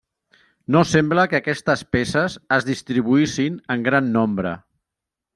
No sembla que aquestes peces es distribuïssin en gran nombre.